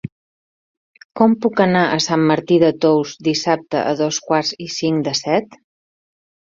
Com puc anar a Sant Martí de Tous dissabte a dos quarts i cinc de set?